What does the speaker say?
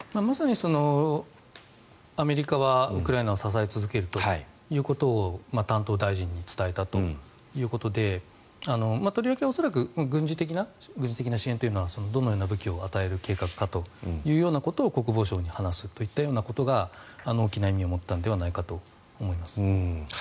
まさにアメリカはウクライナを支え続けるということを担当大臣に伝えたということでとりわけ恐らく軍事的な支援というのはどのような武器を与える計画かということを国防相に話すといったようなことが大きな意味を持ったのではないかと思います。